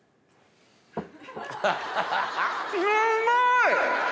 うまい！